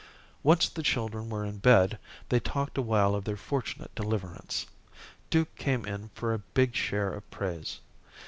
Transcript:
Once the children were in bed, they talked awhile of their fortunate deliverance. Duke came in for a big share of praise.